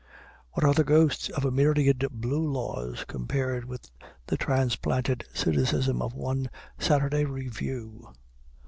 What are the ghosts of a myriad Blue Laws compared with the transplanted cynicism of one "Saturday Review"?